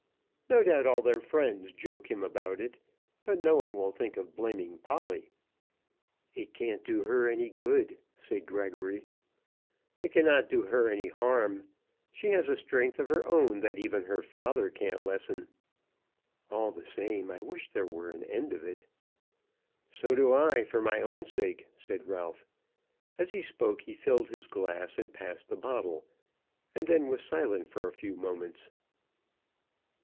No doubt all their friends joke him about it, but no one will think of blaming Polly." "It can't do her any good," said Gregory. "It cannot do her any harm. She has a strength of her own that even her father can't lessen." "All the same, I wish there were an end of it." "So do I, for my own sake," said Ralph. As he spoke he filled his glass, and passed the bottle, and then was silent for a few moments.